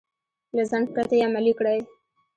له ځنډ پرته يې عملي کړئ.